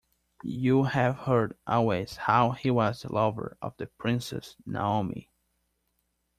You have heard always how he was the lover of the Princess Naomi.